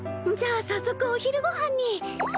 じゃあさっそくお昼ごはんに！